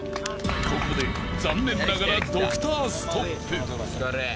［ここで残念ながらドクターストップ］